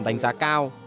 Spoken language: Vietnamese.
đánh giá cao